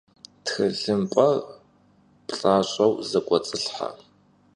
Txılhımp'er plh'aş'eu zek'uets'ılhhe.